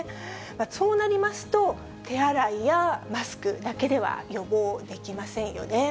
そうなりますと、手洗いやマスクだけでは予防できませんよね。